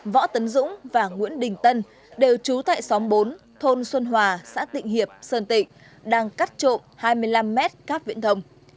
võ tấn dũng và nguyễn đình tân đều trú tại xóm bốn thôn xuân hòa xã tịnh hiệp sơn tịnh đang cắt trộm hai mươi năm mét cáp viễn thông